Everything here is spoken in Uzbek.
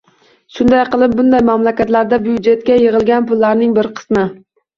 Shunday qilib, bunday mamlakatlarda byudjetga yig‘ilgan pullarning bir qismi